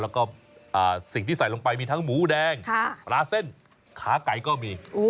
แล้วก็สิ่งที่ใส่ลงไปมีทั้งหมูแดงปลาเส้นขาไก่ก็มี